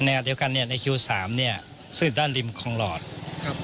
ในเดียวกันเนี้ยในคิวสามเนี้ยซึ่งด้านริมของลอดครับ